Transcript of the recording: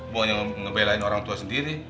buat gue belain orang tua sendiri